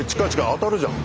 当たるじゃん。